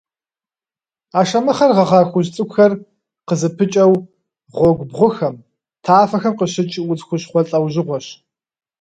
Ашэмыхъэр гъэгъа хужь цӏыкӏухэр къызыпыкӏэу гъуэгубгъухэм, тафэхэм къыщыкӏ удз хущхъуэ лӏэужьыгъуэщ.